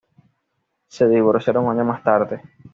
Se divorciaron un año más tarde.